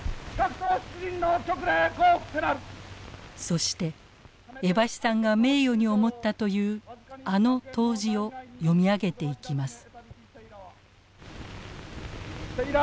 そして江橋さんが名誉に思ったというあの答辞を読み上げていきます。